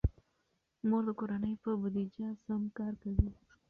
مور د کورنۍ په بودیجه سم کار کوي.